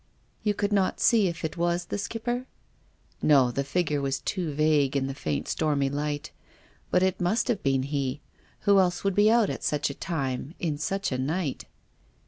"You could not see if it was the Skipper?" " No, the figure was too vague in the faint stormy light. But it must have been he. Who else would be out at such a time in such a night